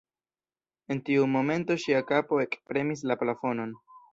En tiu momento ŝia kapo ekpremis la plafonon.